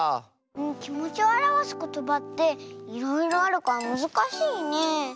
きもちをあらわすことばっていろいろあるからむずかしいね。